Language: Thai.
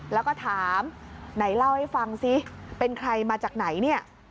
แล้วก็ถามไหนเล่าให้ฟังซิเป็นใครมาจากไหนเนี่ย